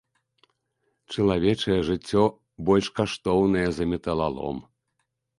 Чалавечае жыццё больш каштоўнае за металалом.